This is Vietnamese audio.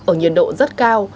ở nhiệt độ rất cao